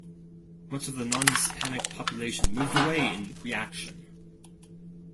Much of the non-Hispanic population moved away in reaction.